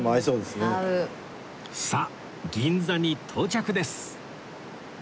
さあ銀座に到着です！